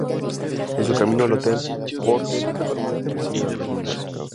En su camino al hotel, Porter y sus hombres persiguen a los niños.